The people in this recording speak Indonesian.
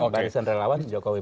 barisan relawan jokowi presiden